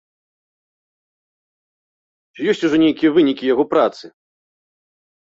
Ці ёсць ужо нейкія вынікі яго працы?